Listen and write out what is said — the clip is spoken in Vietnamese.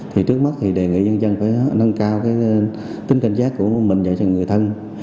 thì trước mắt thì đề nghị dân dân phải nâng cao tính cảnh giác của mình và cho người thân